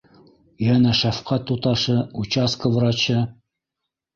Йәнә шәфҡәт туташы, участка врачы.